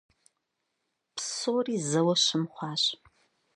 Псори зэуэ щым хъуащ.